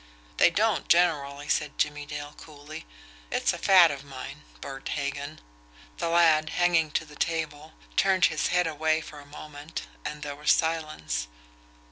"They don't generally," said Jimmie Dale coolly. "It's a fad of mine Bert Hagan." The lad, hanging to the table, turned his head away for a moment and there was silence.